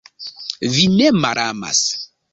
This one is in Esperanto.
Vi ne malamas!